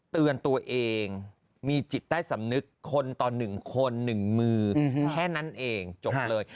เตือนตัวเองมีจิตใต้สำนึกคนต่อ๑คน๑มือแค่นั้นเองจบเลย